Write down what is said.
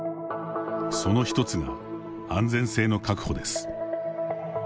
その一つが「安全性の確保」です。